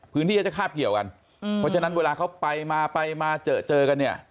พื้นที่เขาจะคาบเกี่ยวกันเพราะฉะนั้นเวลาเขาไปมาไปมาเจอเจอกันเนี่ย